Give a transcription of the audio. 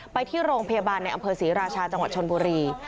ไปที่โรงพยาบาลในอำเภอศรีราชาจังหวัดชนบุรี